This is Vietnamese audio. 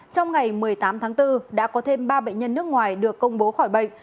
trong ngày một mươi tám tháng bốn đã có thêm ba bệnh nhân nước ngoài được công bố khỏi bệnh